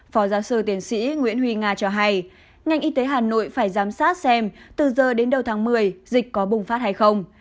phó giáo sư tiến sĩ nguyễn huy nga cho hay ngành y tế hà nội phải giám sát xem từ giờ đến đầu tháng một mươi dịch có bùng phát hay không